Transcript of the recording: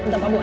baik pak bos